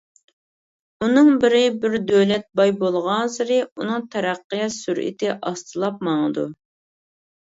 ئۇنىڭ بىرى، بىر دۆلەت باي بولغانسېرى، ئۇنىڭ تەرەققىيات سۈرئىتى ئاستىلاپ ماڭىدۇ.